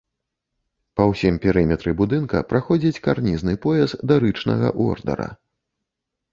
Па ўсім перыметры будынка праходзіць карнізны пояс дарычнага ордара.